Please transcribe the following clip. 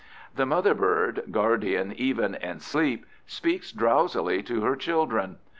The mother bird, guardian even in sleep, speaks drowsily to her children.